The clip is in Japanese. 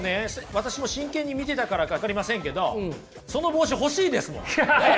私も真剣に見てたからか分かりませんけどその帽子欲しいですもん。